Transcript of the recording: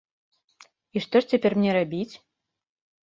І што ж цяпер мне рабіць?